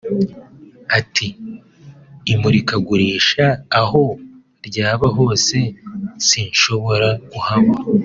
Ati “Imurikagurisha aho ryaba hose sinshobora kuhabura